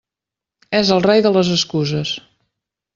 És el rei de les excuses.